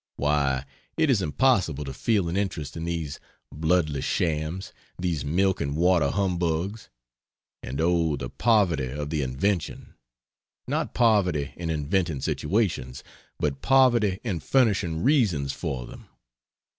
Why, it is impossible to feel an interest in these bloodless shams, these milk and water humbugs. And oh, the poverty of the invention! Not poverty in inventing situations, but poverty in furnishing reasons for them.